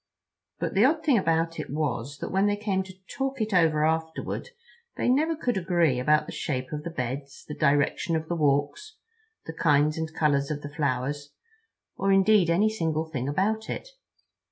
But the odd thing about it was that when they came to talk it over afterward they never could agree about the shape of the beds, the direction of the walks, the kinds and colors of the flowers, or indeed any single thing about it.